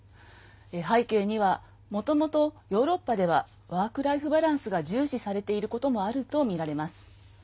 背景にはもともと、ヨーロッパではワークライフバランスが重視されていることもあるとみられます。